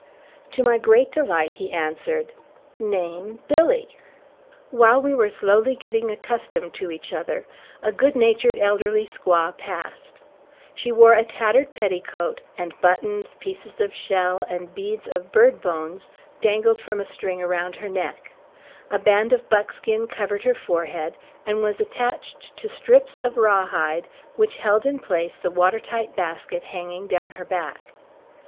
To my great delight, he answered, "Name, Billy." While we were slowly getting accustomed to each other, a good natured elderly squaw passed. She wore a tattered petticoat, and buttons, pieces of shell, and beads of bird bones dangled from a string around her neck. A band of buckskin covered her forehead and was attached to strips of rawhide, which held in place the water tight basket hanging down her back.